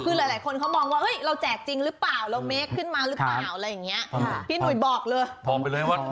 คือหลายคนเขามองว่าเราแจกจริงหรือเปล่า